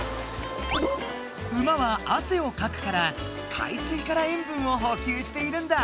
馬はあせをかくから海水から塩分を補給しているんだ。